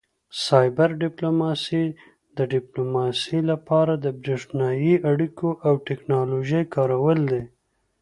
سایبر ډیپلوماسي د ډیپلوماسي لپاره د بریښنایي اړیکو او ټیکنالوژۍ کارول دي